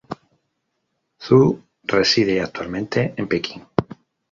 Zou reside actualmente en Pekín.